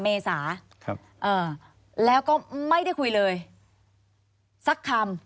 ควิทยาลัยเชียร์สวัสดีครับ